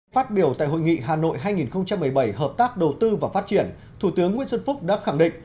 phát biểu tại hội nghị hà nội hai nghìn một mươi bảy hợp tác đầu tư và phát triển thủ tướng nguyễn xuân phúc đã khẳng định